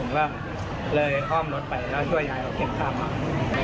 ผมก็เลยอ้อมรถไปแล้วช่วยย้ายออกเก็บค่ามา